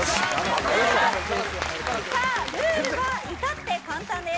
ルールは至って簡単です。